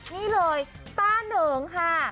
นี่เลยต้าเหนิงค่ะ